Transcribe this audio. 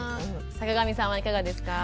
坂上さんはいかがですか？